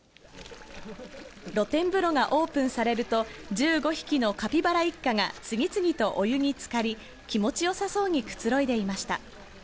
露天風呂がオープンされると、１５匹のカピバラ一家が次々とお湯につかり、気持ちよさそうにくつろいでいました。